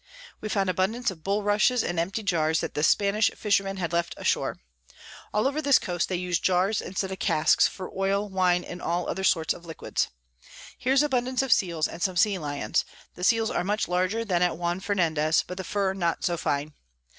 We found abundance of Bull Rushes and empty Jars that the Spanish Fishermen had left ashore. All over this Coast they use Jars instead of Casks, for Oil, Wine, and all other sorts of Liquids. Here's abundance of Seals and some Sea Lions; the Seals are much larger than at Juan Fernandez, but the Fur not so fine.